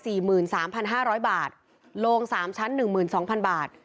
หมื่นสามพันห้าร้อยบาทโลงสามชั้นหนึ่งหมื่นสองพันบาท